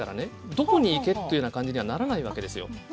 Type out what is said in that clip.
どこに行けっていうような感じにはならないわけですよ。